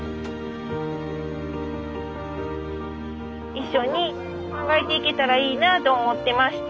一緒に考えていけたらいいなと思ってまして。